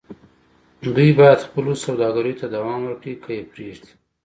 دوی بايد خپلو سوداګريو ته دوام ورکړي که يې پرېږدي.